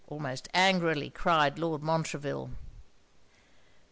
almost angrily cried Lord Montreville.